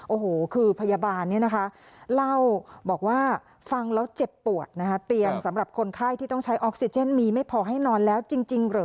โอ้โหคือพยาบาลเนี่ยนะคะเล่าบอกว่าฟังแล้วเจ็บปวดนะคะเตียงสำหรับคนไข้ที่ต้องใช้ออกซิเจนมีไม่พอให้นอนแล้วจริงเหรอ